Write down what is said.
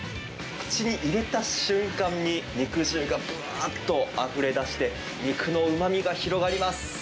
口に入れた瞬間に、肉汁がぶわっとあふれ出して、肉のうまみが広がります。